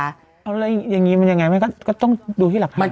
อะไรอย่างนี้มันยังไงก็ต้องดูที่หลักฐาน